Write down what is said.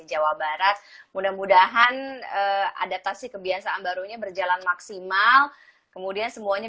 jawa barat mudah mudahan adaptasi kebiasaan barunya berjalan maksimal kemudian semuanya